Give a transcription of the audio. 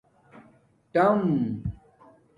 ٹَم